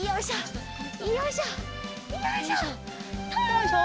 よいしょ！